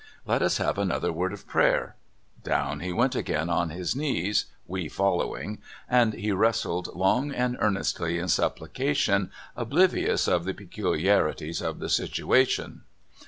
Let us have another word of prayer." Down he went again on his knees, we follow ing, and he wrestled long and earnestly in suppli cation, oblivious of the peculiarities of the situa tion.